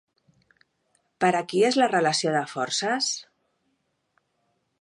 Per a qui és la relació de forces?